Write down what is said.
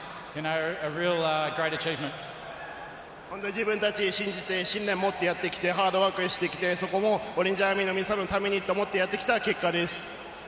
自分たちを信じて、信念を持ってやってきて、ハードワークしてきて、そこもオレンジアーミーの皆さんのためにと思ってやってきた結果です。